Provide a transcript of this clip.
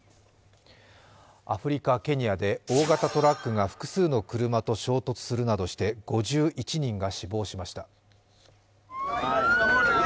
アフリカ・ケニアで大型トラックが複数の車と衝突するなどして５１人が死亡しました。